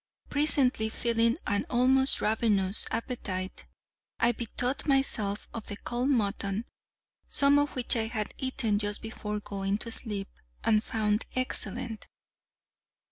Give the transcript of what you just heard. Presently feeling an almost ravenous appetite, I bethought myself of the cold mutton, some of which I had eaten just before going to sleep, and found excellent.